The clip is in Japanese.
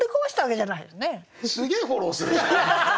すげえフォローするじゃん。